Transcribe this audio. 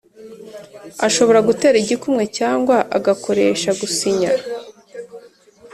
ashobora gutera igikumwe cyangwa agakoresha gusinya